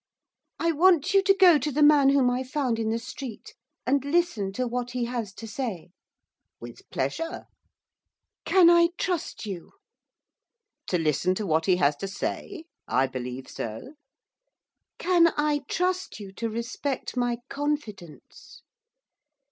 'I want you to go to the man whom I found in the street, and listen to what he has to say.' 'With pleasure.' 'Can I trust you?' 'To listen to what he has to say? I believe so.' 'Can I trust you to respect my confidence?